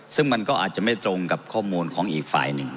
ซึ่งมันก็อาจจะไม่ตรงกับข้อมูลของอีกฝ่ายหนึ่ง